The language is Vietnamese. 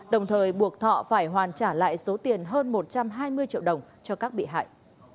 đồng thời buộc thọ phải hoàn trả lại số tiền hơn một trăm hai mươi triệu đồng cho các bị hại